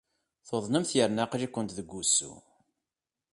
Tuḍnemt yerna aql-ikent deg wusu.